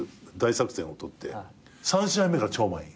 ３試合目から超満員。